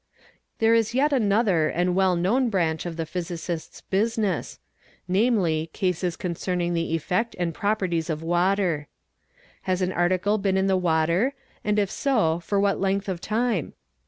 y There is yet another and well known branch of the physicist's business,—namely cases concerning the effect and properties of water. Has an article been in the water and if so for what length of time?